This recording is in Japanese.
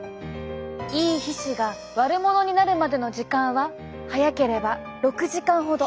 いい皮脂が悪者になるまでの時間は早ければ６時間ほど。